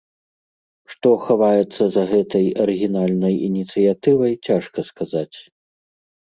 Што хаваецца за гэтай арыгінальнай ініцыятывай, цяжка сказаць.